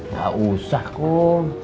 gak usah kum